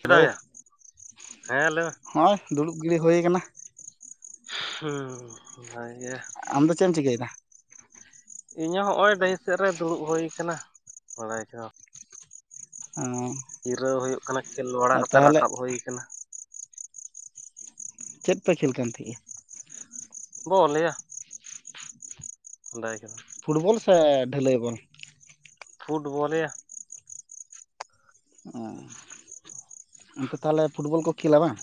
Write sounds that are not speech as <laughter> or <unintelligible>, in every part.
Hello ᱪᱮᱫᱟᱭᱟ? ᱦᱮᱸ ᱞᱟᱹᱭ ᱢᱮ ᱦᱚᱸᱜ-ᱚᱭᱻᱫᱩᱲᱩᱵ ᱜᱮ ‌ᱦᱩᱭ ᱠᱟᱱᱟ᱾ <unintelligible> ᱟᱢ ᱫᱚ ᱪᱮᱜ ᱮᱢ ᱪᱤᱠᱟᱹᱭ ᱫᱟ? ᱤᱧᱚ ᱦᱚᱸᱜ-ᱚᱭ ᱰᱟᱹᱦᱤ ᱥᱮᱫ ᱨᱮ ᱫᱩᱲᱩᱵ ᱦᱩᱭ ᱠᱟᱱᱟ, ᱵᱟᱲᱟᱭ ᱠᱟᱱᱟ᱾ ᱚᱸᱻ᱾ ᱡᱤᱨᱟᱹᱣ ᱦᱩᱭᱩᱜ ᱠᱟᱱᱟ ᱠᱷᱮᱞ ᱵᱟᱲᱟ ᱠᱟᱛᱮᱜ ᱨᱟᱠᱟᱵ ᱦᱩᱭ ᱠᱟᱱᱟ᱾ ᱪᱮᱫ ᱯᱮ ᱠᱷᱮᱞ ᱠᱟᱱ ᱛᱮᱦᱮᱸᱜ-ᱟ? ᱵᱚᱞᱮ ᱭᱟ᱾ <unintelligible> ᱯᱷᱩᱴᱵᱚᱞ ᱥᱮ ᱰᱷᱟᱹᱞᱟᱹᱭ ᱵᱚᱞ? ᱯᱷᱩᱴᱵᱚᱞ ᱭᱟ᱾ ᱚᱸᱻ᱾ ᱚᱱᱛᱮ ᱛᱟᱦᱚᱞᱮ ᱯᱷᱩᱴᱵᱚᱞ ᱠᱚ ᱠᱷᱮᱞᱟ ᱵᱟᱝ?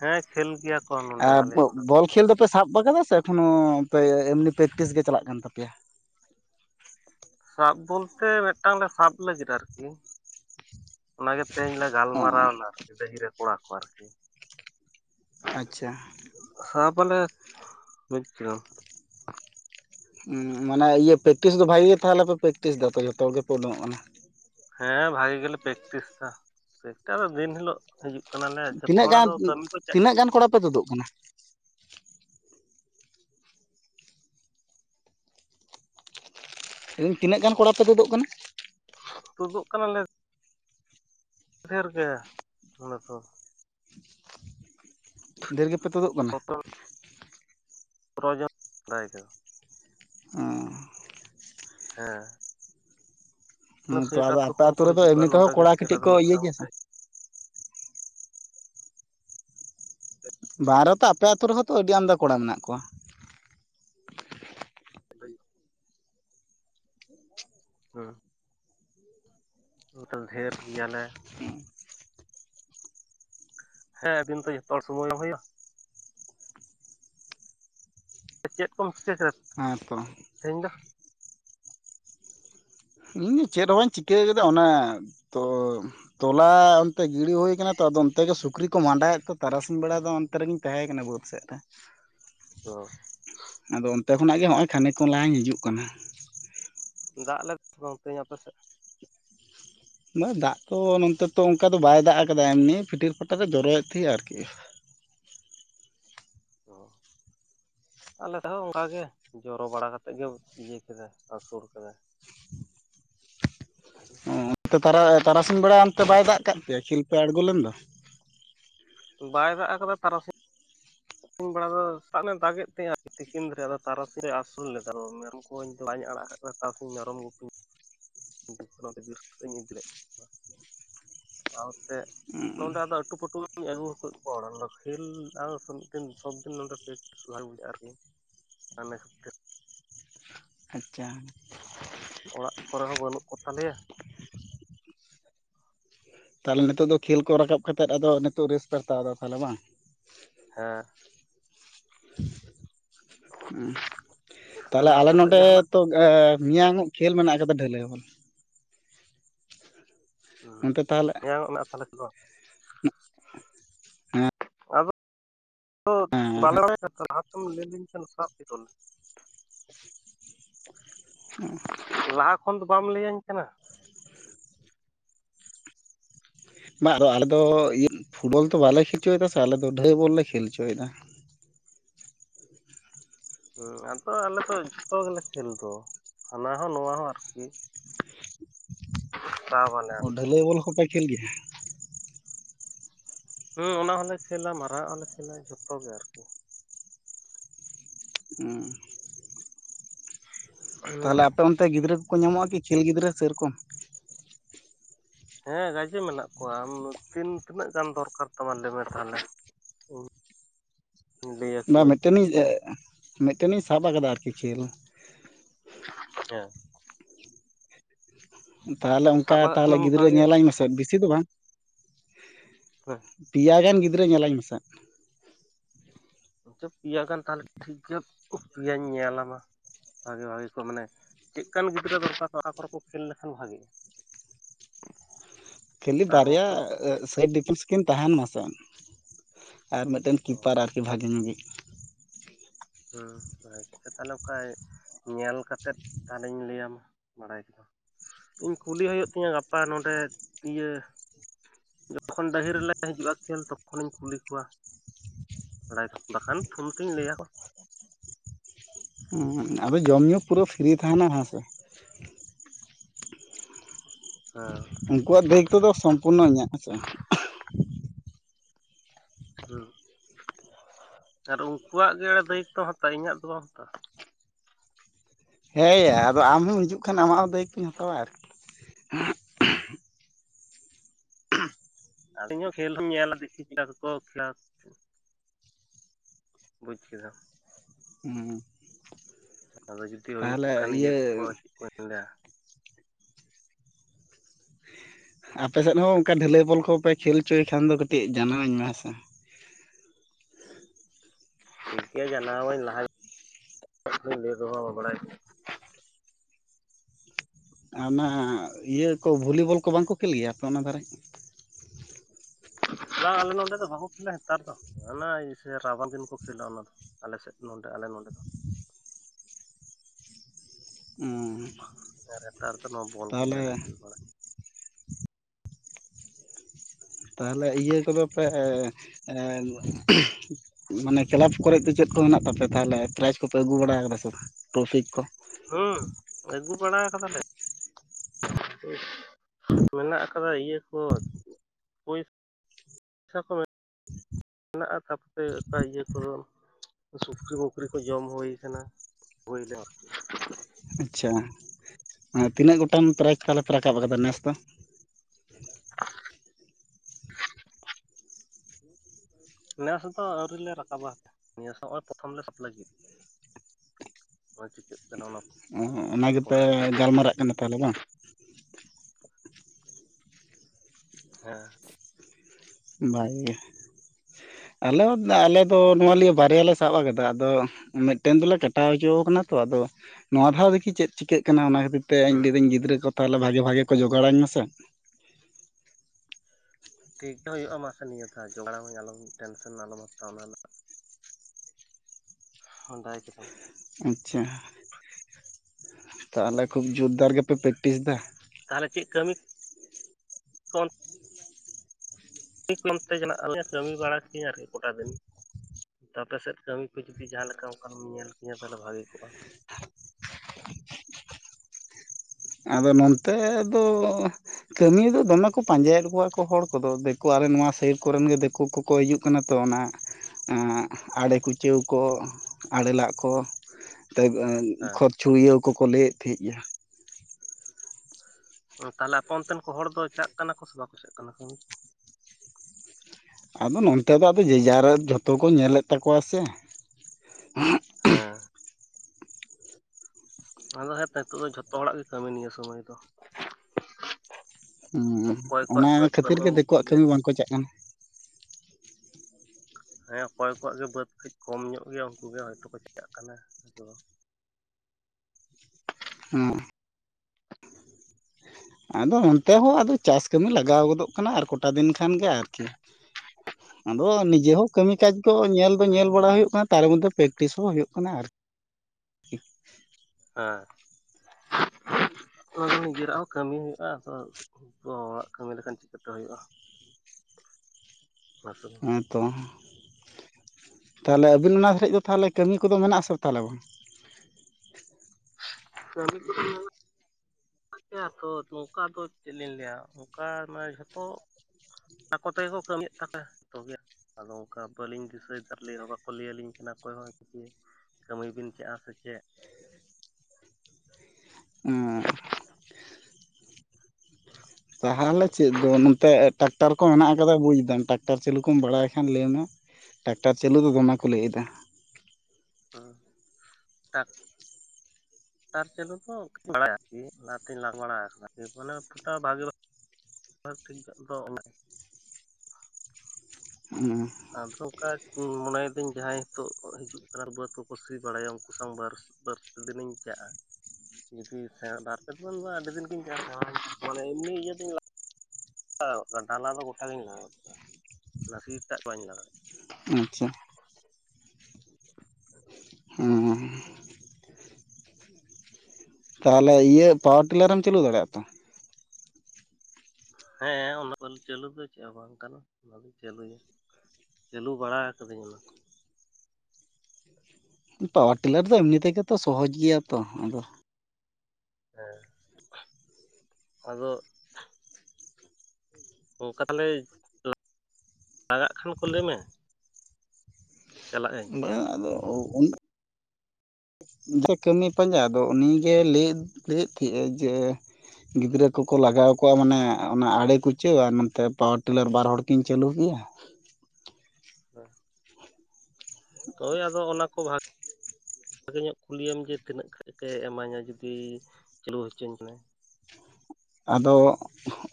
ᱦᱮᱸ ᱠᱷᱮᱞ ᱜᱮᱭᱟᱠᱼᱼ ᱮᱸᱵᱽ ᱵᱚ ᱵᱚᱞ ᱠᱷᱮᱞ ᱫᱚᱯᱮ ᱥᱟᱵ ᱟᱠᱟᱫᱟ ᱥᱮ ᱮᱠᱷᱚᱱᱚ ᱯᱮ ᱮᱢᱱᱤ ᱯᱮᱠᱴᱤᱥ ᱜᱮ ᱪᱟᱞᱟᱜ ᱠᱟᱱ ᱛᱟᱯᱮᱭᱟ? ᱥᱟᱵ ᱵᱚᱞᱛᱮ ᱢᱤᱫᱴᱟᱝ ᱞᱮ ᱥᱟᱵ ᱞᱟᱹᱜᱤᱫ ᱟᱨᱠᱤᱼᱼ ᱚᱱᱟ ᱜᱮ ᱛᱮᱦᱮᱧ ᱞᱮ ᱚ ᱜᱟᱞᱢᱟᱨᱟᱣ ᱱᱟ ᱟᱨ ᱠᱤ ᱰᱟᱹᱦᱤ ᱨᱮ ᱠᱚᱲᱟ ᱠᱚ ᱟᱨ ᱠᱤ᱾ ᱟᱪᱪᱷᱟᱸ᱾ ᱥᱟᱵᱟᱞᱮ ᱢᱤᱫᱴᱟᱹᱝ᱾ ᱩᱸᱻ ᱢᱟᱱᱮ ᱤᱭᱟᱹ ᱯᱮᱠᱴᱤᱥ ᱫᱚ ᱵᱷᱟᱜᱮ ᱜᱮ ᱛᱟᱦᱚᱞᱮ ᱯᱮ ᱯᱮᱠᱴᱤᱥ ᱫᱟ ᱛᱚ ᱡᱚᱛᱚ ᱜᱮ ᱦᱚᱲ ᱜᱮ ᱯᱮ ᱩᱰᱩᱝᱚᱜ ᱠᱟᱱᱟ? ᱦᱮᱸ ᱵᱷᱟᱜᱤ ᱜᱮᱞᱮ ᱯᱮᱠᱴᱤᱥ ᱫᱟ ᱮᱠᱴᱟ ᱫᱚ ᱫᱤᱱ ᱦᱤᱞᱳᱜᱼᱼ ᱦᱤᱡᱩᱜ ᱠᱟᱱᱟ ᱞᱮ ᱡᱚᱛᱚ ᱛᱤᱱᱟᱹᱜ ᱦᱚᱲ ᱜᱟᱱ ᱟᱫᱚ ᱠᱟᱹᱢᱤ ᱠᱚ ᱪᱟᱜᱼᱼ ᱛᱤᱱᱟᱹᱜ ᱜᱟᱱ ᱠᱚᱲᱟ ᱯᱮ ᱛᱩᱫᱩᱜ ᱠᱟᱱᱟ? ᱩᱸᱻ ᱛᱤᱱᱟᱹᱜ ᱜᱟᱱ ᱠᱚᱲᱟᱯᱼᱼ ᱯᱮ ᱛᱩᱫᱩᱜ ᱠᱟᱱᱟ? ᱛᱩᱫᱩᱜ ᱠᱟᱱᱟᱞᱮ ᱯᱷᱮᱨ ᱜᱮᱭᱟ ᱚᱱᱟ ᱛᱚ ᱰᱷᱮᱨ ᱜᱮᱯᱮ ᱛᱩᱫᱚᱜ ᱠᱟᱱᱟ? <unintelligible> ᱚ ᱦᱮᱸ ᱦᱮᱸ ᱚᱱᱟ ᱛᱚ ᱥᱮᱴ ᱟᱫᱚ ᱟᱛᱳ ᱟᱯᱮ ᱠᱷᱚᱱ ᱟᱹᱛᱳ ᱠᱚ ᱨᱮᱫᱚ ᱦᱤᱡᱩᱜᱼᱟ ᱮᱢᱱᱤ ᱱᱚᱸᱰᱮ ᱛᱮᱦᱚᱸ ᱜᱮ ᱠᱚᱲᱟ ᱠᱷᱮᱞᱟ ᱠᱟᱹᱴᱤᱡ ᱫᱚ ᱠᱚ ᱢᱤᱫ ᱤᱭᱟᱹ ᱜᱮᱭᱟ ᱥᱮ᱾ ᱥᱟᱶᱛᱮ ᱵᱟᱦᱨᱮ ᱛᱚ ᱟᱯᱮ ᱟᱹᱛᱩ ᱨᱮᱦᱚᱸ ᱛᱚ ᱟᱹᱰᱤ ᱟᱢᱫᱟ ᱠᱚᱲᱟ ᱢᱮᱱᱟᱜ ᱠᱚᱣᱟ᱾ <unintelligible> ᱦᱮᱸ ᱱᱚᱛᱮ ᱫᱚ ᱰᱷᱮᱨ ᱜᱮᱭᱟᱞᱮ᱾ ᱦᱮᱸ ᱟᱹᱵᱤᱱ ᱛᱚ ᱡᱷᱚᱛᱚ ᱦᱚᱲ ᱥᱚᱢᱚᱭ ᱦᱩᱭᱩᱜᱼᱼ ᱪᱮᱫ ᱠᱚᱢ ᱥᱮᱪᱮᱜ ᱠᱟᱫᱟ? ᱦᱮᱸ ᱛᱚ ᱛᱮᱦᱮᱧ ᱫᱚ ᱤᱧ ᱪᱮᱫ ᱦᱚᱸ ᱵᱟᱹᱧ ᱪᱤᱠᱟᱹ ᱠᱮᱫᱟ ᱚᱱᱟ ᱛᱚ ᱛᱚᱞᱟ ᱚᱱᱛᱮ ᱜᱤᱰᱤ ᱦᱩᱭ ᱟᱠᱟᱱᱟ ᱛᱚ ᱛᱚ ᱚᱱᱛᱮ ᱜᱮ ᱥᱩᱠᱨᱤ ᱠᱚ ᱢᱟᱸᱰᱟᱭᱮᱫ ᱛᱚ ᱛᱟᱨᱟᱥᱤᱧ ᱵᱮᱲᱟ ᱫᱚ ᱚᱱᱛᱮ ᱨᱮᱜᱤᱧ ᱛᱟᱦᱮᱸ ᱠᱟᱱᱟ ᱵᱟᱹᱫᱽ ᱥᱮᱜ ᱨᱮ᱾ ᱚ ᱟᱫᱚ ᱚᱱᱛᱮ ᱠᱷᱚᱱᱟᱜ ᱜᱮ ᱦᱚᱜᱼᱚᱭ ᱠᱷᱟᱱᱮᱠ ᱠᱷᱚᱱ ᱞᱟᱦᱟᱧ ᱦᱤᱡᱩᱜ ᱠᱟᱱᱟ᱾ ᱫᱟᱜ ᱞᱮ <unintelligible> ᱛᱮᱦᱮᱧ ᱟᱯᱮᱥᱮᱫ? ᱢᱟᱱᱮ ᱫᱟᱜ ᱛᱚ ᱱᱚᱱᱛᱮ ᱛᱚ ᱚᱱᱠᱟ ᱫᱚ ᱵᱟᱭ ᱫᱟᱜ ᱟᱠᱟᱫᱟ ᱮᱢᱱᱤ ᱯᱷᱤᱴᱤᱨ ᱯᱟᱴᱟᱨᱮ ᱡᱚᱨᱚᱭᱮᱫ ᱛᱟᱷᱮᱫ-ᱟ ᱟᱨᱠᱤ᱾ ᱚ <unintelligible> ᱟᱞᱮ ᱥᱮᱦᱚᱸ ᱚᱱᱠᱟ ᱜᱮ ᱡᱚᱨᱚ ᱵᱟᱲᱟ ᱠᱟᱛᱮᱫ ᱜᱮ ᱤᱭᱟᱹ ᱠᱮᱫᱟ ᱟᱹᱥᱩᱲ ᱠᱮᱫᱟᱭ᱾ <inaudible> ᱚ ᱛᱟᱨᱟ ᱛᱟᱨᱟᱥᱤᱧ ᱵᱮᱲᱟ ᱚᱱᱛᱮ ᱵᱟᱭ ᱫᱟᱜ ᱠᱟᱜ ᱯᱮᱭᱟ ᱠᱷᱮᱞ ᱯᱮ ᱟᱬᱜᱳ ᱞᱮᱱ ᱫᱚ? ᱵᱟᱭ ᱫᱟᱜ ᱟᱠᱟᱫᱟ ᱛᱟᱨᱟᱥᱤᱧ᱾ ᱫᱤᱧ ᱵᱮᱲᱟ ᱫᱚ ᱥᱟᱵ ᱮ ᱫᱟᱜᱮᱫ ᱛᱟᱦᱮᱸ <inaudible> ᱛᱤᱠᱤᱱ ᱫᱷᱮ ᱟᱫᱚ ᱛᱟᱨᱟᱥᱤᱧ ᱟᱹᱥᱩᱲ ᱞᱮᱫᱟ ᱢᱮᱨᱚᱢ ᱠᱚᱧ ᱫᱚᱦᱲᱟᱧ ᱟᱲᱟᱜ ᱟᱠᱟᱫ ᱠᱚᱣᱟ᱾ ᱛᱟᱨᱟᱥᱤᱧ ᱢᱮᱨᱚᱢ ᱜᱩᱯᱤᱧ ᱚᱱᱛᱮ ᱵᱤᱨ ᱥᱮᱫ ᱤᱧ ᱤᱫᱤ ᱞᱮᱫ ᱠᱚᱣᱟ ᱟᱨ ᱛᱮᱫ ᱱᱚᱰᱮ ᱟᱫᱚ ᱟᱹᱴᱩᱯᱟᱹᱴᱩ ᱧ ᱟᱹᱜᱩ ᱟᱠᱟ ᱠᱚᱣᱟ ᱠᱷᱮᱞ ᱟᱨ ᱢᱤᱫᱴᱮᱱ ᱥᱚᱵᱫᱤᱱ ᱱᱚᱰᱮ ᱯᱮᱠᱴᱤᱥ ᱵᱷᱟᱜᱮ ᱵᱩᱡᱷᱟᱹᱜᱼᱟ ᱟᱨᱠᱤ᱾ ᱦᱟᱱᱮ <unintelligible> ᱟᱪᱪᱷᱟ ᱚᱲᱟᱜ ᱠᱚᱨᱮ ᱦᱚᱸ ᱵᱟᱹᱱᱩᱜ ᱠᱚ ᱛᱟᱞᱮᱭᱟ᱾ ᱛᱟᱦᱚᱞᱮ ᱱᱤᱛᱳᱜ ᱫᱚ ᱠᱷᱮᱞ ᱠᱚ ᱨᱟᱠᱟᱵ ᱠᱟᱛᱮᱫ ᱟᱫᱚ ᱱᱤᱛᱚᱜ ᱨᱮᱥ ᱯᱮ ᱦᱟᱛᱟᱣ ᱮᱫᱟ ᱛᱟᱦᱚᱞᱮ ᱵᱟᱝ? ᱦᱮᱸ᱾ ᱛᱟᱦᱞᱮ ᱛᱟᱦᱚᱞᱮ ᱟᱞᱮ ᱟᱯᱮ ᱥᱮᱫ ᱱᱚᱸᱰᱮ ᱡᱟᱦᱟᱱᱟᱜ ᱠᱚ ᱛᱚ ᱮᱸ ᱢᱮᱭᱟᱝᱚᱜ ᱠᱷᱮᱞ ᱢᱮᱱᱟᱜ ᱠᱟᱫᱟ ᱰᱷᱟᱹᱞᱟᱹᱭ ᱵᱚᱞ᱾ ᱦᱩᱸ ᱚᱱᱛᱮ ᱛᱟᱦᱚᱞᱮ ᱢᱮᱭᱟᱝᱚᱜ ᱢᱮᱱᱟᱜ-ᱟ ᱛᱟᱦᱞᱮ ᱠᱷᱮᱞ ᱫᱚ᱾ ᱟᱫᱚ ᱵᱟᱞᱮ ᱵᱟᱲᱟᱭᱟ ᱞᱟᱦᱟᱛᱮᱢ ᱞᱟᱹᱭ ᱞᱤᱧ ᱠᱷᱟᱱ ᱥᱟᱵ ᱠᱮᱫᱚᱞᱮ᱾ ᱞᱟᱦᱟ ᱠᱷᱚᱱ ᱫᱚ ᱵᱟᱢ ᱞᱟᱹᱭᱟᱹᱧ ᱠᱟᱱᱟ᱾ ᱵᱟᱝ ᱵᱟᱝ ᱟᱫᱚ ᱟᱞᱮ ᱫᱚ ᱤᱭᱟᱹ ᱯᱷᱩᱴᱵᱚᱞ ᱛᱚ ᱵᱟᱞᱮ ᱠᱷᱮᱞ ᱚᱪᱚᱭᱮᱫᱟ ᱥᱮ ᱟᱞᱮ ᱫᱚ ᱰᱷᱟᱹᱞᱟᱹᱭ ᱵᱚᱞ ᱞᱮ ᱠᱷᱮᱞ ᱦᱚᱪᱚᱭᱮᱫᱟ᱾ ᱦᱩᱸ ᱟᱫᱚ ᱟᱞᱮ ᱫᱚ ᱡᱚᱛᱚ ᱜᱮᱞᱮ ᱠᱷᱮᱞ ᱫᱚ ᱦᱟᱱᱟ ᱦᱚᱸ ᱱᱚᱣᱟ ᱦᱚᱸ ᱟᱨᱠᱤ᱾ ᱥᱟᱵ ᱟᱞᱮ ᱚ ᱰᱷᱟᱹᱞᱟᱹᱭ ᱵᱚᱞ ᱦᱚᱸᱯᱮ ᱠᱷᱮᱞ ᱜᱮᱭᱟ? ᱦᱩᱸ ᱚᱱᱟ ᱦᱚᱞᱮ ᱠᱷᱮᱞᱟ ᱢᱟᱨᱟᱝᱟᱜ ᱦᱚᱸᱞᱮ ᱠᱷᱮᱞᱟ ᱡᱷᱚᱛᱚ ᱜᱮ ᱟᱨᱠᱤ᱾ ᱚ ᱛᱟᱦᱞᱮ ᱟᱯᱮ ᱚᱱᱛᱮ ᱜᱤᱫᱽᱨᱟᱹ ᱠᱚᱠᱚ ᱧᱟᱢᱚᱜᱼᱟ ᱠᱤ ᱠᱷᱮᱞ ᱜᱤᱫᱽᱨᱟᱹ ᱥᱮᱨᱚᱠᱚᱢ? ᱦᱮᱸ ᱜᱟᱡᱮ ᱢᱮᱱᱟᱜ ᱠᱚᱣᱟ ᱟᱢ ᱛᱤᱱ ᱛᱤᱱᱟᱹᱜ ᱜᱟᱱ ᱫᱚᱨᱠᱟᱨ ᱛᱟᱢᱟ ᱞᱟᱹᱭᱢᱮ ᱛᱟᱦᱚᱞᱮ᱾ ᱚ ᱞᱟᱹᱭ ᱟᱠᱚᱣᱟᱹᱧ᱾ ᱴᱮᱱᱤᱧ ᱢᱤᱫᱴᱮᱱᱤᱧ ᱥᱟᱵ ᱟᱠᱟᱫᱟ ᱟᱨᱠᱤ ᱠᱷᱮᱞ᱾ <unintelligible> ᱦᱮᱸ ᱛᱟᱦᱚᱞᱮ ᱚᱱᱠᱟ ᱥᱟᱵ ᱟᱠᱟᱫ ᱛᱟᱦᱚᱞᱮ ᱠᱷᱟᱱᱮᱢ ᱜᱤᱫᱽᱨᱟᱹ ᱵᱷᱟᱜᱮ ᱧᱮᱞᱟᱧ ᱢᱮᱥᱮ ᱵᱮᱥᱤ ᱫᱚ ᱵᱟᱝ᱾ ᱯᱮᱭᱟ ᱜᱟᱱ ᱜᱤᱫᱽᱨᱟᱹ ᱧᱮᱞᱟᱧ ᱢᱮᱥᱮ᱾ ᱟᱪᱪᱷᱟ ᱯᱮᱭᱟ ᱜᱟᱱ ᱛᱟᱦᱞᱮ ᱴᱷᱤᱠ ᱜᱮᱭᱟ ᱯᱮᱭᱟᱧ ᱧᱮᱞ ᱟᱢᱟ ᱵᱷᱟᱜᱮ ᱵᱷᱟᱜᱮ ᱠᱚ ᱢᱟᱱᱮ ᱪᱮᱫ ᱠᱟᱱ ᱜᱤᱫᱽᱨᱟᱹ ᱫᱚᱨᱠᱟᱨ ᱚᱠᱟ ᱠᱚᱨᱮ ᱠᱚ ᱠᱷᱮᱞ ᱞᱮᱠᱷᱟᱱ ᱵᱷᱟᱜᱮ-ᱟ᱾ ᱠᱷᱟᱞᱤ ᱵᱟᱨᱭᱟ ᱛᱟᱨᱯᱚᱨ ᱥᱟᱭᱤᱰ ᱰᱤᱯᱷᱮᱱᱥ ᱠᱤᱱ ᱛᱟᱦᱮᱱ ᱢᱟᱥᱮ ᱟᱨ ᱢᱤᱫᱴᱮᱱ ᱚ ᱠᱤᱯᱟᱨ ᱟᱨᱠᱤ ᱵᱷᱟᱜᱮ ᱧᱚᱜᱤᱡ᱾ ᱦᱩᱸ ᱟᱪᱪᱷᱟ ᱛᱟᱦᱚᱞᱮ ᱚᱱᱠᱟ ᱧᱮᱞ ᱠᱟᱛᱮᱜ ᱛᱟᱦᱚᱞᱮᱧ ᱞᱟᱹᱭ ᱟᱢᱟ᱾ ᱵᱟᱲᱟᱭ ᱠᱮᱫᱟ ᱤᱧ ᱠᱩᱞᱤ ᱦᱩᱭᱩᱜ ᱛᱤᱧᱟᱹ ᱜᱟᱯᱟ ᱱᱚᱰᱮ ᱤᱭᱟᱹ ᱡᱚᱠᱷᱚᱱ ᱰᱟᱹᱦᱤ ᱨᱮᱞᱮ ᱦᱤᱡᱩᱜᱼᱟ ᱠᱷᱮᱞ ᱛᱚᱠᱷᱚᱱᱤᱧ ᱠᱩᱞᱤ ᱠᱚᱣᱟ᱾ ᱵᱟᱲᱟᱭ ᱫᱚ ᱵᱟᱠᱷᱟᱱ ᱯᱷᱳᱱ ᱛᱤᱧ ᱞᱟᱹᱭ ᱟᱢᱟ ᱟᱫᱚ ᱡᱚᱢ ᱧᱩ ᱯᱩᱨᱟᱹ ᱯᱷᱤᱨᱤ ᱛᱟᱦᱮᱱᱟ ᱦᱮᱸ ᱥᱮ᱾ ᱦᱮᱸ ᱩᱱᱠᱩᱣᱟᱜ ᱫᱟᱹᱭᱤᱜᱛᱛᱚ ᱫᱚ ᱥᱚᱢᱯᱩᱨᱱᱚ ᱤᱧᱟᱹᱜ ᱦᱮᱸᱥᱮ᱾ ᱦᱩᱸ ᱟᱨ ᱩᱱᱠᱩᱣᱟᱜ ᱜᱮ ᱫᱟᱭᱤᱛᱛᱚᱢ ᱦᱟᱛᱟᱣᱟ ᱤᱧᱟᱹᱜ ᱫᱚ ᱵᱟᱢ ᱦᱟᱛᱟᱣᱟ᱾ ᱦᱮᱸᱭᱟ ᱟᱫᱚ ᱟᱢ ᱦᱚᱢ ᱦᱤᱡᱩᱜ ᱠᱷᱟᱱ ᱟᱢᱟᱜ ᱦᱚᱸ ᱫᱟᱹᱭᱤᱛᱛᱚᱧ ᱦᱟᱛᱟᱣᱟ ᱟᱨᱠᱤ᱾ ᱟᱨ ᱤᱧ ᱦᱚᱸ ᱠᱷᱮᱞ ᱠᱚᱸᱧ ᱧᱮᱞᱟ ᱫᱮᱠᱷᱤ <unintelligible> ᱵᱩᱡᱽ ᱠᱮᱫᱟᱢ᱾ ᱦᱮᱸ ᱟᱫᱚ ᱡᱩᱫᱤ ᱦᱩᱭᱩᱜ ᱠᱷᱟᱱ ᱤᱭᱟᱹ ᱠᱚᱠᱚ ᱪᱮᱫ ᱠᱚᱧ ᱞᱟᱹᱭᱟ᱾ ᱟᱯᱮ ᱥᱮᱫ ᱦᱚᱸ ᱚᱱᱠᱟ ᱰᱷᱟᱹᱞᱟᱹᱭ ᱵᱚᱞ ᱠᱚᱯᱮ ᱠᱷᱮᱞ ᱦᱚᱪᱚᱭ ᱠᱷᱟᱱ ᱫᱚ ᱠᱟᱹᱴᱤᱡ ᱡᱟᱱᱟᱣ ᱟᱹᱧ ᱢᱮ ᱦᱮᱸᱥᱮ᱾ ᱴᱷᱤᱠ ᱜᱮᱭᱟ ᱡᱟᱱᱟᱣ ᱟᱢᱟᱹᱧ <unintelligible> ᱞᱟᱦᱟ ᱞᱟᱹᱭ ᱫᱚᱦᱚ ᱟᱢᱟ ᱵᱟᱲᱟᱭ ᱚᱱᱟ ᱤᱭᱟᱹ ᱠᱚ ᱵᱷᱚᱞᱤᱵᱚᱞ ᱠᱚ ᱵᱟᱝ ᱠᱚ ᱠᱷᱮᱞ ᱜᱮᱭᱟ ᱟᱯᱮ ᱚᱱᱟ ᱫᱷᱟᱨᱮ ᱵᱟᱝ ᱟᱞᱮ ᱱᱚᱸᱰᱮ ᱫᱚ ᱵᱟᱠᱚ ᱠᱷᱮᱞᱟ ᱱᱮᱛᱟᱨ ᱫᱚ ᱚᱱᱟ ᱨᱟᱵᱟᱝ ᱫᱤᱱ ᱠᱚ ᱠᱷᱮᱞᱟ ᱚᱱᱟ ᱫᱚ᱾ ᱟᱞᱮ ᱥᱮᱫ ᱱᱚᱰᱮ ᱟᱞᱮ ᱱᱚᱰᱮ ᱫᱚ ᱦᱩᱸ ᱟᱨ ᱱᱮᱛᱟᱨ ᱫᱚ ᱱᱚᱣᱟ ᱵᱚᱞ ᱠᱚᱜᱮᱞᱮ ᱠᱷᱮᱞ ᱵᱟᱲᱟᱭ ᱾ ᱛᱟᱦᱞᱮ ᱤᱭᱟᱹ ᱠᱚᱫᱚ ᱯᱮ ᱮᱸ ᱢᱟᱱᱮ ᱠᱞᱟᱵᱽ ᱠᱚᱨᱮ ᱫᱚ ᱪᱮᱫ ᱠᱚ ᱢᱮᱱᱟᱜ ᱛᱟᱯᱮᱭᱟ ᱛᱟᱦᱞᱮ ᱯᱨᱟᱭᱟᱡᱽ ᱠᱚᱯᱮ ᱟᱹᱜᱩ ᱵᱟᱲᱟ ᱟᱠᱟᱫᱟ ᱥᱮ ᱵᱟ ᱴᱨᱚᱯᱷᱤ ᱠᱚ? ᱦᱩᱸ ᱟᱹᱜᱩ ᱵᱟᱲᱟ ᱠᱟᱫᱟᱞᱮ ᱾ ᱢᱮᱱᱟᱜ ᱟᱠᱟᱫᱟ ᱤᱭᱟᱹ ᱠᱚ <unintelligible> <unintelligible> ᱢᱮᱱᱟᱜᱼᱟ ᱛᱟᱯᱚᱛᱮ ᱚᱠᱟ ᱤᱭᱟᱹ ᱠᱚᱫᱚ ᱥᱩᱠᱨᱤᱢᱩᱠᱨᱤ ᱠᱚ ᱡᱚᱢ ᱦᱩᱭ ᱟᱠᱟᱱᱟ ᱾ ᱦᱩᱭᱞᱮᱢ ᱟᱨᱠᱤ ᱟᱪᱪᱷᱟ, ᱮᱸ ᱛᱤᱱᱟᱹᱜ ᱜᱚᱴᱟᱝ ᱯᱨᱟᱭᱤᱡᱽ ᱛᱟᱦᱚᱞᱮ ᱯᱮ ᱨᱟᱠᱟᱵ ᱟᱠᱟᱫᱟ ᱱᱮᱥ ᱫᱚ? <inaudible> ᱱᱮᱥ ᱫᱚ ᱟᱹᱣᱨᱤ ᱞᱮ ᱨᱟᱠᱟᱵᱟ ᱱᱤᱭᱟᱹ ᱱᱚᱜᱼᱚᱭ ᱯᱨᱚᱛᱷᱚᱢ ᱞᱮ ᱥᱟᱵ ᱞᱟᱹᱜᱤᱫ ᱚᱱᱟ ᱪᱤᱠᱟᱹᱜ ᱠᱟᱱᱟ ᱚᱱᱟ ᱚ ᱚᱱᱟ ᱜᱮᱯᱮ ᱯᱚᱨᱮ ᱜᱟᱞᱢᱟᱨᱟᱜ ᱠᱟᱱᱟ ᱛᱟᱦᱚᱞᱮ ᱵᱟᱝ ᱦᱮᱸ ᱵᱷᱟᱜᱮ ᱟᱞᱮ ᱟᱞᱮᱫᱚ ᱱᱚᱣᱟ ᱞᱤᱭᱟᱹ ᱵᱟᱨᱭᱟ ᱞᱮ ᱥᱟᱵ ᱟᱠᱟᱫᱟ, ᱟᱫᱚ ᱢᱤᱫ ᱢᱤᱫᱴᱮᱱ ᱫᱚᱞᱮ ᱠᱟᱴᱟᱣ ᱦᱚᱪᱚ ᱟᱠᱟᱱᱟ, ᱛᱚ ᱟᱫᱚ ᱱᱚᱣᱟ ᱫᱷᱟᱣ ᱫᱮᱠᱷᱤ ᱪᱮᱫ ᱪᱤᱠᱟᱹᱜ ᱠᱟᱱᱟ ᱚᱱᱟ ᱠᱷᱟᱹᱛᱤᱨ ᱛᱮ ᱦᱮᱸ ᱤᱧ ᱞᱟᱹᱭᱫᱟᱹᱧ ᱜᱤᱫᱽᱨᱟᱹ ᱠᱚ ᱛᱟᱦᱚᱞᱮ ᱵᱷᱟᱜᱮ ᱵᱷᱟᱜᱮ ᱠᱚ ᱡᱚᱜᱟᱲᱟᱧ ᱢᱮᱥᱮ? ᱴᱷᱤᱠ ᱜᱮ ᱦᱩᱭᱩᱜᱼᱟ, ᱢᱟᱥᱮ ᱱᱤᱭᱟᱹ ᱫᱷᱟ ᱡᱚᱜᱟᱲ ᱟᱢᱤᱧ ᱴᱮᱱᱥᱚᱱ ᱟᱞᱚᱢ ᱦᱟᱛᱟᱣᱟ ᱚᱱᱟ ᱨᱮᱱᱟᱜ ᱦᱚᱰᱟᱭ ᱠᱮᱫᱟᱢ ᱟᱪᱪᱷᱟ ᱛᱟᱦᱚᱞᱮ ᱠᱷᱩᱵ ᱡᱳᱨᱫᱟᱨ ᱜᱮᱯᱮ ᱯᱮᱠᱴᱤᱥ ᱫᱟ ᱛᱟᱦᱚᱞᱮ ᱪᱮᱫ ᱠᱟᱹᱢᱤ ᱠᱷᱚᱱ <unintelligible> ᱠᱟᱹᱢᱤ ᱵᱟᱲᱟ ᱠᱮᱭᱟ ᱟᱨ ᱜᱚᱴᱟ ᱫᱤᱱ ᱟᱯᱮ ᱥᱮᱫ ᱠᱟᱹᱢᱤ ᱠᱚ ᱡᱩᱫᱤ ᱡᱟᱦᱟᱸ ᱞᱮᱠᱟ ᱚᱱᱠᱟᱢ ᱧᱮᱞ ᱠᱤᱧᱟ ᱛᱟᱦᱚᱞᱮ ᱵᱷᱟᱜᱮ ᱠᱚᱜᱼᱟ ᱾ ᱟᱫᱚ ᱱᱚᱱᱛᱮ ᱫᱚ ᱠᱟᱹᱢᱤ ᱫᱚ ᱫᱚᱢᱮ ᱠᱚ ᱯᱟᱸᱡᱟᱭᱮᱫ ᱠᱚᱣᱟ ᱠᱚ ᱦᱚᱲ ᱠᱚᱫᱚ ᱫᱮᱠᱩ ᱟᱞᱮ ᱱᱚᱣᱟ ᱥᱟᱹᱭᱤᱴ ᱠᱚᱨᱮᱱ ᱜᱮ ᱫᱮᱠᱩ ᱠᱚ ᱠᱚ ᱦᱤᱡᱩᱜ ᱠᱟᱱᱟ ᱛᱚ ᱚᱱᱟ ᱾ ᱟᱲᱮ ᱠᱩᱪᱟᱹᱣ ᱠᱚ, ᱟᱲᱮ ᱞᱟᱜ ᱠᱚ, ᱛᱟᱹ ᱟᱹ ᱦᱮᱸ ᱠᱷᱚᱫ ᱪᱷᱩᱲᱤᱭᱟᱹᱣ ᱠᱚᱠᱚ ᱞᱟᱹᱭᱮᱫ ᱛᱟᱦᱮᱸᱫ ᱜᱮᱭᱟ ᱾ ᱛᱟᱦᱚᱞᱮ ᱟᱯᱚ ᱚᱱᱛᱮᱱ ᱠᱚ ᱦᱚᱲ ᱫᱚ ᱪᱟᱜ ᱠᱟᱱᱟ ᱠᱚ ᱥᱮ ᱵᱟᱠᱚ ᱪᱟᱜ ᱠᱟᱱᱟ ᱠᱟᱹᱢᱤ? ᱟᱫᱚ ᱱᱚᱱᱛᱮ ᱫᱚ ᱟᱫᱚ ᱡᱮᱡᱟᱨ ᱡᱷᱚᱛᱚ ᱠᱚ ᱧᱮᱞᱮᱫ ᱛᱟᱠᱚᱣᱟ ᱥᱮ ᱾ ᱦᱮᱸ ᱟᱫᱚ ᱦᱮᱸᱛ ᱦᱤᱸᱛᱚᱜ ᱫᱚ ᱡᱷᱚᱛᱚ ᱦᱚᱲᱟᱜ ᱜᱮ ᱠᱟᱹᱢᱤ ᱱᱤᱭᱟᱹ ᱥᱚᱢᱚᱭ ᱫᱚ ᱾ ᱦᱩᱸ ᱚᱱᱟ ᱠᱷᱟᱹᱛᱤᱨ ᱜᱮ ᱫᱤᱠᱩᱣᱟᱜ ᱠᱟᱹᱢᱤ ᱵᱟᱝᱠᱚ ᱪᱟᱜ ᱠᱟᱱᱟ ᱾ ᱦᱮᱸ ᱚᱠᱚᱭ ᱠᱚᱣᱟᱜ ᱜᱮ ᱵᱟᱹᱫ ᱠᱟᱹᱡ ᱠᱚᱢ ᱧᱚᱜ ᱜᱮᱭᱟ ᱩᱱᱠᱩ ᱜᱮ ᱦᱚᱭᱛᱚ ᱠᱚ ᱪᱤᱠᱟᱜ ᱠᱟᱱᱟ ᱟᱫᱚ ᱾ <unintelligible> ᱟᱫᱚ ᱚᱱᱛᱮ ᱦᱚᱸ ᱟᱫᱚ ᱪᱟᱥ ᱠᱟᱹᱢᱤ ᱞᱟᱜᱟᱣ ᱜᱚᱫᱚᱜ ᱠᱟᱱᱟ ᱟᱨ ᱠᱚᱴᱟ ᱫᱤᱱ ᱠᱷᱟᱱᱜᱮ ᱟᱨᱠᱤ ᱾ ᱟᱫᱚ ᱱᱤᱡᱮ ᱦᱚᱸ ᱠᱟᱹᱢᱤ ᱠᱟᱡᱽ ᱠᱚ ᱧᱮᱞ ᱫᱚ ᱧᱮᱞ ᱵᱟᱲᱟ ᱦᱩᱭᱩᱜ ᱠᱟᱱᱟ ᱛᱟᱨᱮ ᱢᱚᱫᱽᱫᱷᱮ ᱯᱮᱠᱴᱤᱥ ᱦᱚᱸ ᱦᱩᱭᱩᱜ ᱠᱟᱱᱟ ᱟᱨᱠᱤ ᱾ ᱦᱮᱸ, ᱚᱱᱟ ᱫᱚ ᱱᱤᱡᱟᱹᱨᱟᱜ ᱦᱚᱸ ᱠᱟᱹᱢᱤ ᱦᱩᱭᱩᱜᱼᱟ ᱛᱚ ᱾ ᱩᱱᱠᱩ ᱦᱚᱲᱟᱜ ᱠᱟᱹᱢᱤ ᱞᱮᱠᱷᱟᱱ ᱪᱤᱠᱟᱹᱛᱮ ᱦᱩᱭᱩᱜᱼᱟ, ᱦᱮᱸᱥᱮ ᱵᱟᱝ ᱦᱮᱸ, ᱛᱚ ᱛᱟᱦᱚᱞᱮ ᱟᱹᱵᱤᱱ ᱚᱱᱟ ᱫᱷᱟᱹᱨᱤᱡ ᱫᱚ ᱛᱟᱦᱚᱞᱮ ᱠᱟᱹᱢᱤ ᱠᱚᱫᱚ ᱢᱮᱱᱟᱜ ᱟᱥᱮ ᱛᱟᱦᱚᱞᱮ ᱵᱟᱝ ᱠᱟᱢᱤ ᱠᱚᱫᱚ <unintelligible> ᱭᱟ ᱛᱚ ᱱᱚᱝᱠᱟ ᱫᱚ ᱪᱮ ᱞᱤᱧ ᱞᱟᱹᱭᱟ ᱱᱚᱝᱠᱟ ᱢᱟ ᱡᱷᱚᱛᱚ ᱟᱠᱚ ᱛᱮᱜᱮᱠᱚ ᱠᱟᱹᱢᱤᱭᱮᱫ ᱛᱟᱠᱚᱣᱟ ᱡᱚᱛᱚ ᱜᱮ, ᱟᱫᱚ ᱚᱱᱠᱟ ᱵᱟᱹᱞᱤᱧ ᱫᱤᱥᱟᱹᱭᱮᱫᱟ ᱞᱟᱹᱭ ᱦᱚᱸ ᱵᱟᱠᱚ ᱞᱟᱹᱭ ᱟᱹᱞᱤᱧ ᱠᱟᱱᱟ ᱚᱠᱚᱭ ᱦᱚᱸ ᱡᱮ ᱠᱟᱹᱢᱤ ᱵᱤᱱ ᱪᱮᱫᱼᱟ ᱥᱮ ᱪᱮᱫ ᱾ <unintelligible> <inaudible> ᱛᱟᱦᱟᱞᱮ ᱪᱮᱫ ᱫᱚ ᱱᱚᱛᱮ ᱴᱮᱠᱴᱟᱨ ᱠᱚ ᱦᱮᱱᱟᱜ ᱟᱠᱟᱫᱟ ᱵᱩᱡᱽ ᱮᱟᱢ ᱴᱨᱟᱠᱴᱟᱨ ᱪᱟᱹᱞᱩ ᱠᱚᱢ ᱵᱟᱲᱟᱭ ᱠᱷᱟᱱ ᱞᱟᱹᱭᱢᱮ ᱴᱟᱠᱴᱟᱨ ᱪᱟᱹᱞᱩ ᱫᱚ ᱫᱚᱢᱮ ᱠᱚ ᱞᱟᱹᱭᱮᱫᱟ <unintelligible> ᱴᱟᱨ ᱪᱟᱹᱞᱩ ᱫᱚ ᱵᱟᱲᱟᱭᱟ ᱠᱤ ᱞᱟᱦᱟᱛᱮᱧ ᱞᱟᱜᱟ ᱵᱟᱲᱟ ᱟᱠᱟᱫᱟ ᱡᱚᱠᱷᱚᱱᱮᱢ ᱠᱷᱟᱴᱟᱜᱼᱟ ᱵᱷᱟᱜᱤ ᱵᱷᱟᱵ <unintelligible> <unintelligible> ᱩᱸ ᱟᱫᱚ ᱚᱱᱠᱟ ᱢᱚᱱᱮᱭᱮᱫᱟᱹᱧ ᱡᱟᱦᱟᱸᱭ ᱱᱤᱛᱚᱜ ᱠᱚ ᱦᱤᱡᱩᱜ ᱠᱟᱱ ᱵᱟᱹᱫᱽ ᱠᱚᱠᱚ ᱥᱤ ᱵᱟᱲᱟᱭᱟ ᱩᱱᱠᱩ ᱥᱟᱶ ᱵᱟᱨ ᱵᱟᱨᱛᱤ ᱫᱤᱱᱤᱧ ᱪᱟᱜᱼᱟ ᱡᱩᱫᱤ ᱥᱮ ᱵᱟᱨ ᱯᱮ ᱫᱚᱢ ᱟᱹᱰᱤ ᱫᱤᱱ ᱜᱤᱧ ᱪᱟᱞᱟᱜ ᱠᱟᱱᱟ ᱢᱟᱱᱮ ᱮᱢᱱᱤ ᱤᱭᱟᱹᱫᱩᱧ ᱞᱟ ᱰᱟᱞᱟ ᱫᱚ ᱜᱚᱴᱟ ᱜᱤᱧ ᱞᱟᱜᱟᱣ ᱠᱟᱜᱼᱟ ᱚᱱᱟᱥᱤ ᱴᱟᱜ ᱵᱟᱹᱧ ᱞᱟᱜᱟᱣ ᱟᱪᱪᱷᱟ ᱦᱩᱸ ᱛᱟᱦᱚᱞᱮ ᱤᱭᱟᱹ ᱯᱟᱣᱟᱨ ᱴᱤᱞᱟᱨᱮᱢ ᱪᱟᱹᱞᱩ ᱫᱟᱲᱮᱭᱟᱜᱼᱟ ᱛᱚ ᱦᱮᱸ ᱚᱱᱟ ᱵᱟᱹ ᱪᱟᱹᱞᱩ ᱫᱚ ᱪᱮᱫ ᱦᱚᱸ ᱵᱟᱝ ᱠᱟᱱᱟ ᱚᱱᱟ ᱫᱚᱧ ᱪᱟᱹᱞᱩᱭᱟ ᱪᱟᱹᱞᱩ ᱵᱟᱲᱟ ᱠᱟᱹᱫᱤᱧ ᱚᱱᱟᱠᱚ ᱯᱟᱣᱟᱨ ᱴᱤᱞᱟᱨ ᱫᱚ ᱮᱢᱱᱤ ᱛᱮᱜᱮ ᱛᱚ ᱥᱚᱦᱚᱡᱽ ᱜᱮᱭᱟ ᱛᱚ ᱟᱫᱚ ᱦᱮᱸ ᱟᱫᱚ ᱚᱝᱠᱟ ᱛᱟᱦᱞᱮ ᱞᱟᱜ <inaudible> ᱞᱟᱜᱟᱜ ᱠᱷᱟᱱ ᱠᱚ ᱞᱟᱹᱭᱢᱮ ᱵᱟᱜ ᱟᱫᱚ ᱩᱱ ᱡᱮ ᱠᱟᱹᱢᱤ ᱯᱟᱸᱡᱟ ᱟᱫᱚ ᱩᱱᱤᱜᱮ ᱞᱟᱹᱭᱮᱫ ᱞᱟᱹᱭᱮᱫ ᱛᱟᱦᱮᱸᱜᱼᱟᱭ ᱡᱮ ᱜᱤᱫᱽᱨᱟᱹ ᱠᱚᱠᱚ ᱞᱟᱜᱟᱣ ᱠᱚᱜᱼᱟ ᱢᱟᱱᱮ ᱚᱱᱟ ᱟᱲᱮ ᱠᱩᱪᱟᱹᱣ ᱟᱨ ᱱᱚᱛᱮ ᱯᱟᱣᱟᱨ ᱴᱤᱞᱟᱨ ᱵᱟᱨ ᱦᱚᱲ ᱠᱤᱱ ᱪᱟᱹᱞᱩ ᱠᱮᱭᱟ ᱦᱮᱸ <inaudible> ᱦᱳᱭ ᱟᱫᱚ ᱚᱱᱟ ᱠᱚ ᱵᱷᱟᱜ ᱵᱷᱟᱜᱮ ᱧᱚᱜ ᱠᱩᱞᱤᱭᱮᱢ ᱡᱮ ᱛᱤᱱᱟᱹᱜ ᱜᱟᱱᱮ ᱤᱢᱟᱹᱧᱟ ᱡᱩᱫᱤ ᱪᱟᱹᱞᱩ ᱦᱚᱪᱚᱧ ᱠᱟᱱᱟᱭ ᱟᱫᱚ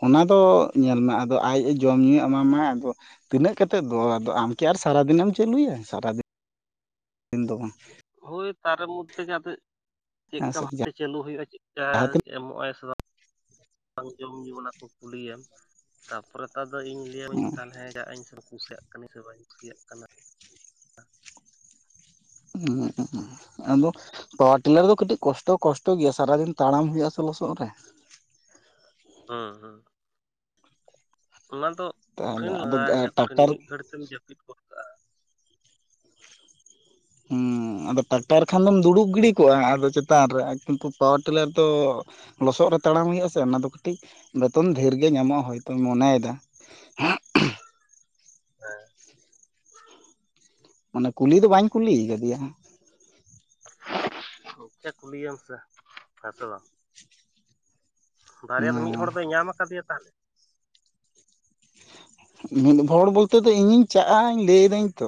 ᱚᱱᱟᱫᱚ ᱧᱮᱞ ᱢᱮ ᱟᱫᱚ ᱟᱡᱼᱮ ᱡᱚᱢᱧᱩᱭ ᱮᱢᱟᱢᱟᱭ ᱟᱫᱚ ᱛᱤᱱᱟᱹᱜ ᱠᱟᱛᱮᱜ ᱫᱚ ᱟᱫᱚ ᱟᱢ ᱠᱤ ᱟᱨ ᱥᱟᱨᱟᱫᱤᱱᱮᱢ ᱪᱟᱹᱞᱩᱭᱟ ᱥᱟᱨᱟᱫᱤᱱ ᱫᱤᱱ ᱫᱚ ᱵᱟᱝ ᱦᱳᱭ ᱛᱟᱨᱮ ᱢᱚᱫᱽᱫᱷᱮ ᱜᱮ ᱟᱫᱚ ᱪᱮᱫ ᱦᱮᱸ ᱞᱮᱠᱟ ᱥᱮ ᱵᱷᱟᱵᱛᱮ ᱪᱟᱹᱞᱩ ᱦᱩᱭᱩᱜ-ᱟ ᱪᱮᱫ ᱞᱮᱠᱟ? ᱡᱟᱦᱟᱸ ᱛᱤᱱᱟᱹᱜ ᱮᱢᱚᱜ ᱟᱭ ᱥᱮ ᱵᱟᱝ ᱡᱚᱢ ᱧᱩ ᱚᱱᱟ ᱠᱚ ᱠᱩᱞᱤᱭᱮᱢ ᱛᱟᱨᱯᱚᱨᱮ ᱱᱮᱛᱟᱨ ᱫᱚ ᱤᱧ ᱞᱟᱹᱭᱟᱢᱟᱹᱧ ᱛᱟᱦᱚᱞᱮ ᱡᱟᱜ ᱤᱧ ᱠᱩᱥᱤᱭᱟᱜ ᱠᱟᱹᱱᱟᱹᱧ ᱥᱮ ᱵᱟᱹᱧ ᱠᱩᱥᱤᱭᱟᱜ ᱠᱟᱱᱟ <inaudible> ᱟᱫᱚ ᱯᱟᱣᱟᱨ ᱴᱤᱞᱟᱨ ᱫᱚ ᱠᱟᱹᱴᱤᱡ ᱠᱚᱥᱴᱚ ᱠᱚᱥᱴᱚ ᱜᱮᱭᱟ ᱥᱟᱨᱟᱫᱤᱱ ᱛᱟᱲᱟᱢ ᱦᱩᱭᱩᱜ ᱟ ᱥᱮ ᱞᱚᱥᱚᱫ ᱨᱮ ᱦᱚᱸ ᱦᱚᱸ ᱚᱱᱟ ᱫᱚ ᱛᱟᱦᱚᱞᱮ ᱠᱩᱴᱷᱤᱱ ᱟᱫᱚ ᱞᱟᱜᱟᱣᱤᱡ ᱠᱩᱴᱷᱤᱱ ᱴᱟᱠᱴᱟᱨ ᱢᱤᱫ ᱜᱷᱟᱹᱲᱤ ᱛᱮᱢ ᱡᱟᱹᱯᱤᱫ ᱜᱚᱫ ᱠᱟᱜ-ᱟ᱾ ᱦᱩᱸ ᱟᱫᱚ ᱴᱟᱠᱴᱟᱨ ᱠᱷᱟᱱ ᱫᱚᱢ ᱫᱩᱲᱩᱵ ᱜᱤᱰᱤ ᱠᱚᱜᱼᱟ ᱟᱫᱚ ᱪᱮᱛᱟᱱ ᱨᱮ ᱠᱤᱱᱛᱩ ᱯᱟᱣᱟᱨ ᱴᱤᱞᱟᱨ ᱫᱚ ᱞᱚᱥᱚᱫ ᱨᱮ ᱛᱟᱲᱟᱢ ᱦᱩᱭᱩᱟ ᱥᱮ ᱚᱱᱟ ᱫᱚ ᱠᱟᱹᱴᱤᱡ ᱵᱮᱛᱚᱱ ᱰᱷᱤᱨ ᱜᱮ ᱧᱟᱢᱚᱜ-ᱟ ᱦᱚᱭᱛᱳ ᱢᱚᱱᱮᱭᱮᱫᱟ ᱦᱮᱸ ᱢᱟᱱᱮ ᱠᱩᱞᱤ ᱫᱚ ᱵᱟᱧ ᱠᱩᱞᱤ ᱠᱟᱫᱮᱭᱟ <unintelligible> ᱠᱩᱞᱤᱭᱮᱢ ᱥᱮ ᱦᱮᱸ ᱥᱮ ᱵᱟᱝ? ᱵᱟᱨᱭᱟ ᱫᱚ ᱢᱤᱫ ᱦᱚᱲ ᱫᱚᱭ ᱧᱟᱢ ᱟᱠᱟᱫᱮᱭᱟ ᱛᱟᱦᱚᱞᱮ ᱦᱚᱲ ᱵᱚᱞᱛᱮ ᱫᱚ ᱤᱧᱤᱧ ᱪᱟᱜᱼᱟ ᱞᱟᱹᱭᱫᱟᱹᱧ ᱛᱚ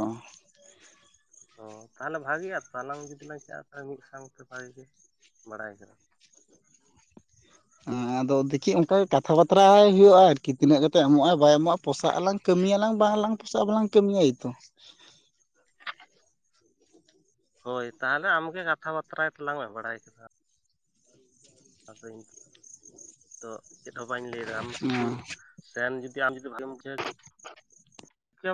ᱛᱚ ᱛᱟᱦᱚᱞᱮ ᱵᱷᱟᱜᱤᱭᱟ ᱛᱚ ᱟᱞᱟᱝ ᱡᱩᱫᱤ ᱞᱟᱝ ᱪᱟᱞᱼᱟ ᱛᱟᱦᱚᱞᱮ ᱢᱤᱫ ᱥᱟᱶᱛᱮ ᱵᱷᱟᱜᱮ ᱜᱮ ᱵᱟᱲᱟᱭ ᱠᱟᱱᱟ ᱦᱮᱸ ᱟᱫᱚ ᱫᱮᱠᱷᱤ ᱚᱱᱠᱟ ᱠᱟᱛᱷᱟ ᱵᱟᱛᱨᱟᱭ ᱦᱩᱭᱩᱜ-ᱟ ᱟᱨᱠᱤ ᱛᱤᱱᱟᱹᱜ ᱠᱟᱛᱮ ᱮᱢᱚᱜ-ᱟᱭ ᱵᱟᱭ ᱮᱢᱚᱜ-ᱟ ᱯᱚᱥᱟᱜ ᱟᱞᱟᱝ ᱠᱟᱹᱢᱤᱭᱟᱞᱟᱝ ᱵᱟᱝᱞᱟᱝ ᱯᱚᱥᱟᱜ-ᱟ ᱵᱟᱞᱟᱝ ᱠᱟᱹᱢᱤᱭᱟ ᱛᱚ ᱦᱳᱭ ᱛᱟᱦᱚᱞᱮ ᱟᱢᱜᱮ ᱠᱟᱛᱷᱟ ᱵᱟᱛᱨᱟᱭ ᱛᱮᱞᱟᱝ ᱢᱮ ᱵᱟᱲᱟᱭ ᱠᱮᱫᱟ ᱟᱫᱚᱧ ᱛᱚ ᱪᱮᱫ ᱦᱚᱸ ᱵᱟᱹᱧ ᱞᱟᱹᱭᱮᱫᱟ ᱟᱢ ᱥᱩᱫᱩ ᱥᱮᱱ ᱡᱩᱫᱤ ᱟᱢ ᱡᱩᱫᱤ ᱵᱷᱟᱞᱮ ᱢᱩᱪᱮ